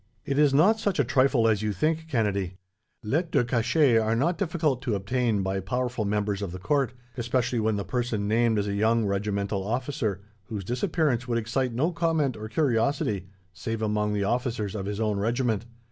"It is not such a trifle as you think, Kennedy. Lettres de cachet are not difficult to obtain, by powerful members of the court; especially when the person named is a young regimental officer, whose disappearance would excite no comment or curiosity, save among the officers of his own regiment.